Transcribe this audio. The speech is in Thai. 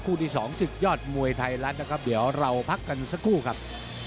คู่ที่๒สุดยอดมวยไทยลัดนะครับเดี๋ยวเราพักกันสักครู่ครับ